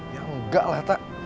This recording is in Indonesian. ya enggak lah atta